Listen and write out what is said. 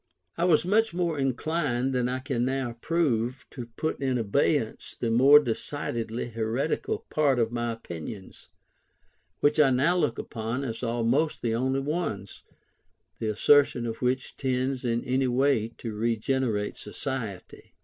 I was much more inclined, than I can now approve, to put in abeyance the more decidedly heretical part of my opinions, which I now look upon as almost the only ones, the assertion of which tends in any way to regenerate society.